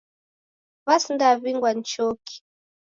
W'asindaw'ingwa ni choki.